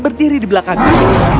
berdiri di belakangku